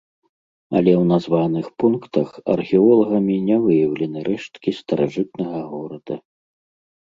Але ў названых пунктах археолагамі не выяўлены рэшткі старажытнага горада.